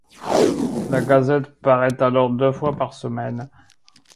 La Gazette paraît alors deux fois par semaine.